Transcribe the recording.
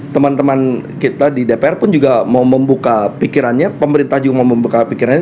teman teman kita di dpr pun juga mau membuka pikirannya pemerintah juga mau membuka pikirannya